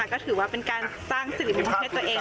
ก็ถือว่าเป็นการสร้างสิริมงคลให้ตัวเอง